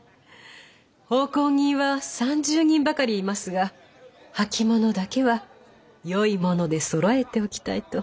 奉公人は３０人ばかりいますが履き物だけはよいものでそろえておきたいと。